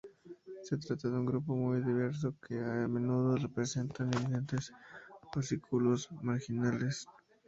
Se trata de un grupo muy diverso que a menudo presentan evidentes osículos marginales.